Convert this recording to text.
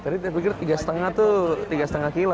tadi saya pikir tiga lima tuh tiga lima kilo